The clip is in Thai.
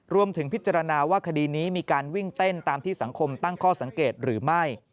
พิจารณาว่าคดีนี้มีการวิ่งเต้นตามที่สังคมตั้งข้อสังเกตหรือไม่